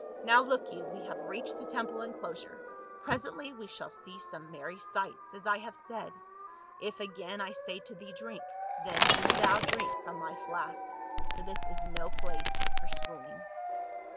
Now look you, we have reached the temple enclosure, pre sently we shall see some merry sights, as I have said ; if again I say to thee, drink, then do thou drink from my flask, for this is no place for swoonings."